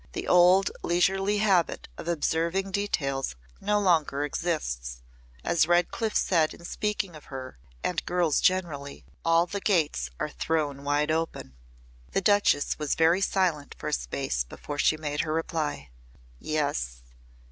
"The old leisurely habit of observing details no longer exists. As Redcliff said in speaking of her and girls generally all the gates are thrown wide open." The Duchess was very silent for a space before she made her reply. "Yes."